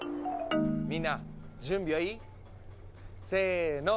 みんな準備はいい？せの。